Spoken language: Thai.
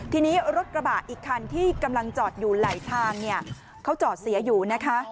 ทีนี้รถกระบะอีกคันที่กำลังจอดอยู่ไหลทางเนี่ยเขาจอดเสียอยู่นะคะ